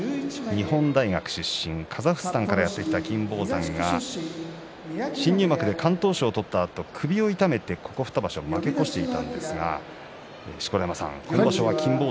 日本大学出身、カザフスタンからやってきた金峰山新入幕で敢闘賞を取ったあと首を痛めてここ２場所負け越していましたが錣山さん